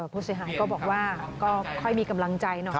ผู้เสียหายก็บอกว่าก็ค่อยมีกำลังใจหน่อย